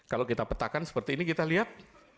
kalau kita petakan seperti ini kita lihat